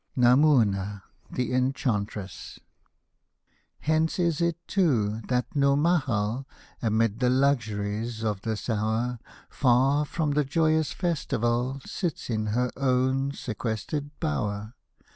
NAMOUNA, THE ENCHANTRESS Hence is it, too, that Nourmahal, Amid the luxuries of this hour Far from the joyous festival, Sits in her own sequestered bower.